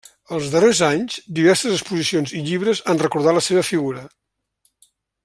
Els darrers anys, diverses exposicions i llibres han recordat la seva figura.